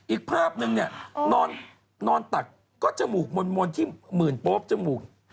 อีกภาพนึงเนี่ยนอนตักก็จมูกมนที่หมื่นโป๊บจมูก